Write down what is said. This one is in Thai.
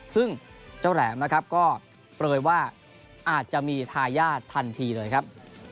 ซึ่งเจ้าแหลมนะครับก็เปลยว่าอาจจะมีทายาททันทีเลยครับ